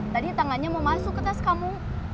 tadi tangannya mau masuk ke tas kamu